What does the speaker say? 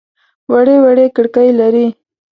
وړې وړې کړکۍ لري.